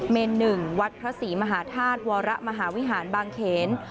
เนน๑วัดพระศรีมหาธาตุวรมหาวิหารบางเขน